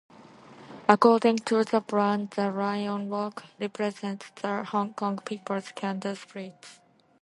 According to the brand, the Lion Rock represents "the Hong Kong people's 'can-do' spirit".